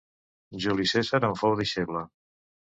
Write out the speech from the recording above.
Juli Cèsar en fou deixeble.